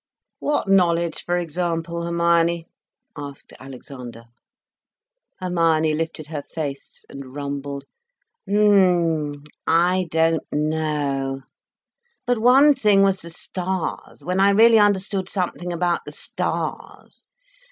"What knowledge, for example, Hermione?" asked Alexander. Hermione lifted her face and rumbled— "M—m—m—I don't know ... But one thing was the stars, when I really understood something about the stars.